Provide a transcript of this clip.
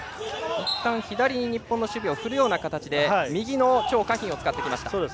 いったん左に日本の守備を振るような形で右の張家彬を使ってきました。